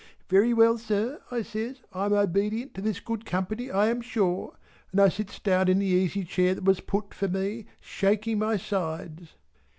"Very well sir" I says "I am obedient in this good company I am sure." And I sits down in the easy chair that was put for me, shaking my sides.